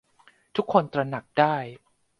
ทุกคนตระหนักได้